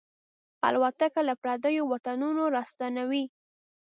الوتکه له پردیو وطنونو راستنوي.